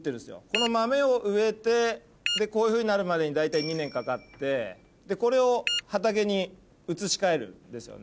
この豆を植えてこういうふうになるまでに大体２年かかってこれを畑に移し替えるんですよね。